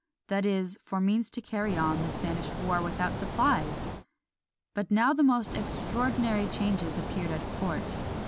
that is, for means to carry on the Spanish war without supplies! But now the most extraordinary changes appeared at court.